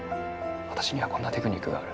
「私にはこんなテクニックがある」